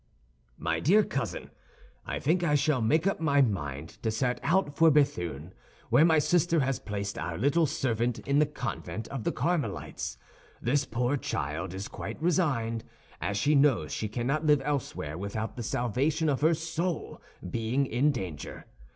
"MY DEAR COUSIN, I think I shall make up my mind to set out for Béthune, where my sister has placed our little servant in the convent of the Carmelites; this poor child is quite resigned, as she knows she cannot live elsewhere without the salvation of her soul being in danger.